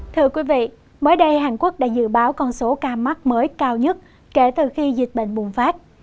thưa quý vị mới đây hàn quốc đã dự báo con số ca mắc mới cao nhất kể từ khi dịch bệnh bùng phát